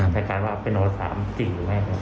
ในการว่าเป็นอัลภาษาจริงหรือไม่